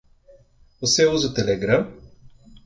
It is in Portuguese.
Você usa o Telegram?